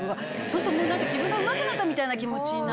そうすると自分がうまくなったみたいな気持ちに。